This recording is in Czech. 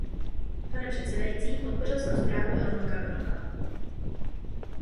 Pane předsedající, podpořil jsem zprávu Elmara Broka.